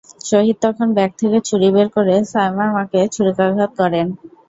শহীদ তখন ব্যাগ থেকে ছুরি বের করে সায়মার মাকে ছুরিকাঘাত করেন।